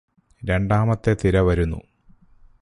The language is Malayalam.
രണ്ടാമത്തെ തിര വരുന്നു